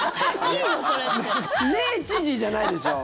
ねえ、知事じゃないでしょ。